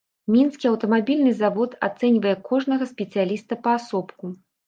Мінскі аўтамабільны завод ацэньвае кожнага спецыяліста паасобку.